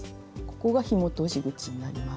ここがひも通し口になります。